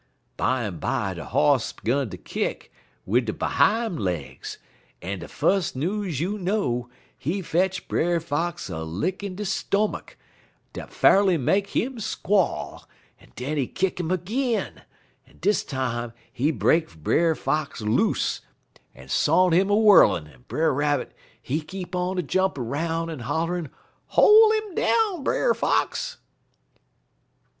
"Bimeby de Hoss 'gun ter kick wid he behime legs, en de fus' news you know, he fetch Brer Fox a lick in de stomach dat fa'rly make 'im squall, en den he kick 'im ag'in, en dis time he break Brer Fox loose, en sont 'im a whirlin'; en Brer Rabbit, he keep on a jumpin' 'roun' en hollerin': "'Hol' 'im down, Brer Fox!'"